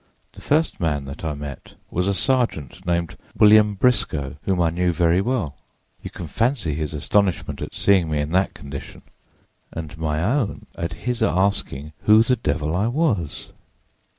The first man that I met was a sergeant named William Briscoe, whom I knew very well. You can fancy his astonishment at seeing me in that condition, and my own at his asking who the devil I was.